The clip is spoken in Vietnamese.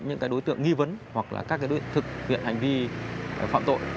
những đối tượng nghi vấn hoặc là các đối tượng thực hiện hành vi phạm tội